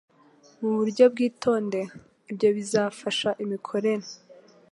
mu buryo bwitondewe. Ibyo bizafasha imikorere